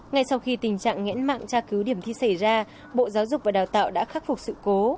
ngay sau khi tình trạng nghẽn mạng tra cứu điểm thi xảy ra bộ giáo dục và đào tạo đã khắc phục sự cố